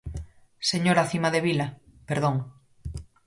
Señora Cimadevila, perdón.